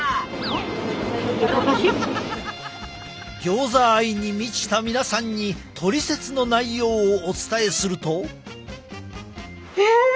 ギョーザ愛に満ちた皆さんにトリセツの内容をお伝えすると。